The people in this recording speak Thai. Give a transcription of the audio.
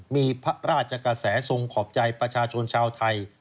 มีพระราชกระแสทรงขอบใจประชาชนชาวไทย